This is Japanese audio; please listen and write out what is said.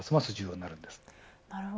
なるほど。